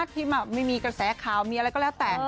ที่มีกระแสข่าวมีอะไรก็แล้วแต่